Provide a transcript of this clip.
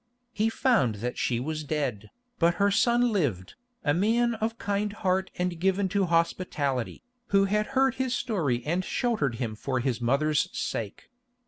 He found that she was dead, but her son lived, a man of kind heart and given to hospitality, who had heard his story and sheltered him for his mother's sake.